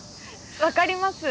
分かります。